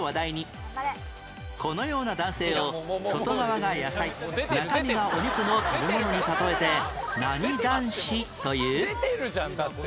このような男性を外側が野菜中身がお肉の食べ物に例えて何男子という？出てるじゃんだって。